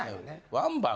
ワンバン？